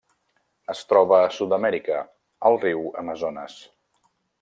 Es troba a Sud-amèrica: el riu Amazones.